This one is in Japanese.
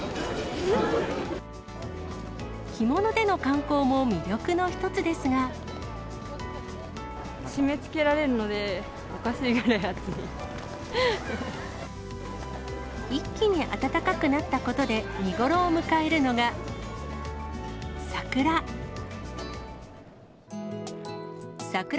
着物での観光も魅力の一つで締めつけられるので、一気に暖かくなったことで、見頃を迎えるのが、桜。